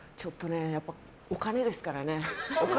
やっぱお金ですからね。